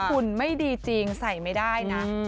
หุ่นไม่ดีจริงใส่ไม่ได้นะ